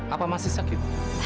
apa masih sakit